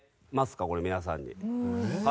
これ皆さんに。